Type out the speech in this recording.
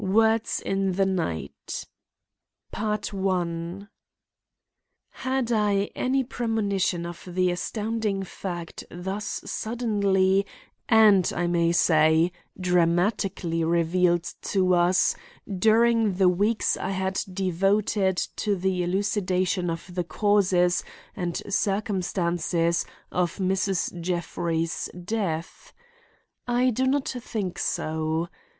WORDS IN THE NIGHT Had I any premonition of the astounding fact thus suddenly and, I may say, dramatically revealed to us during the weeks I had devoted to the elucidation of the causes and circumstances of Mrs. Jeffrey's death? I do not think so.